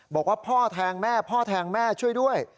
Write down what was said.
บอกว่าพ่อแทงแม่ช่วยด้วย